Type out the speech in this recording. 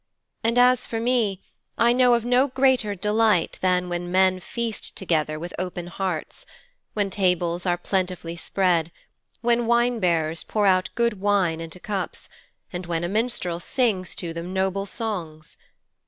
And as for me, I know of no greater delight than when men feast together with open hearts, when tables are plentifully spread, when wine bearers pour out good wine into cups, and when a minstrel sings to them noble songs.